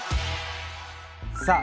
さあ